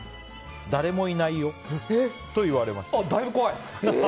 誰もいないよと言われました。